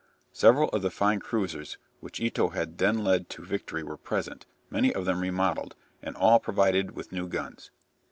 Several of the fine cruisers which Ito had then led to victory were present, many of them remodelled, and all provided with new guns.